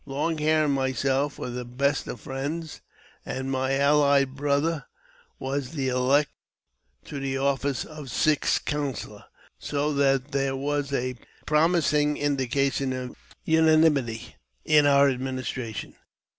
Long Hair and myself were the best of friends, and my alUed brother was the elect to the office of Sixth Counsellor, so that there was a promising indication of unanimity in our adminis tration.